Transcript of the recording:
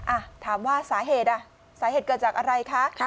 อ่ะถามว่าสาเหตุอ่ะสาเหตุเกิดจากอะไรคะ